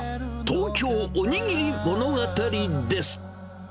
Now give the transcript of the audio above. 東京おにぎり物語です。